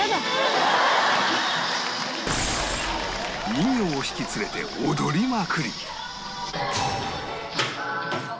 人形を引き連れて踊りまくり